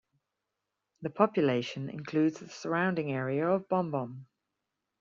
The population includes the surrounding area of Bombom.